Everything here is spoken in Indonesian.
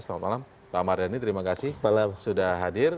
selamat malam pak mardhani terima kasih sudah hadir